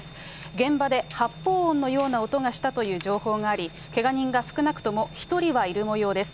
現場で発砲音のような音がしたという情報があり、けが人が少なくとも１人はいるもようです。